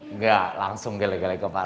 nggak langsung gele gele kepala